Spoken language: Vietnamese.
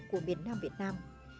của miền nam việt nam